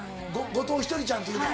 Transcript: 後藤ひとりちゃんっていうんだ。